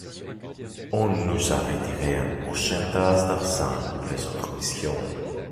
on nous a retiré un pourcentage d'argent pour les autres missions.